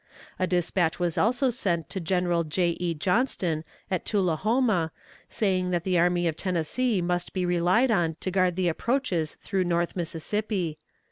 A dispatch was also sent to General J. E. Johnston, at Tullahoma, saying that the Army of Tennessee must be relied on to guard the approaches through north Mississippi.